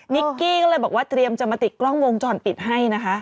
นิกกี้ก็เลยบอกว่าเตรียมจะมาติดกล้องวงจรปิดให้นะคะ